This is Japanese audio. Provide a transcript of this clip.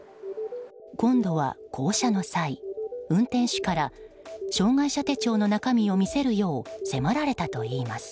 今度は、降車の際運転手から障害者手帳の中身を見せるよう迫られたといいます。